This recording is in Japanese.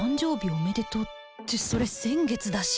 おめでとうってそれ先月だし